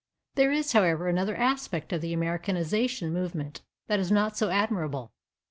There is, however, another aspect of the Americanization movement, that is not so admirable.